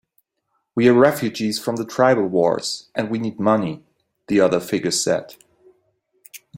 "We're refugees from the tribal wars, and we need money," the other figure said.